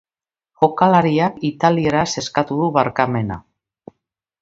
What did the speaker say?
Jokalariak italieraz eskatu du barkamena.